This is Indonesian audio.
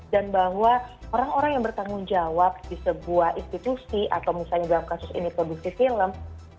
bahwa orang orang yang bertanggung jawab di sebuah institusi atau misalnya dalam kasus ini produksi film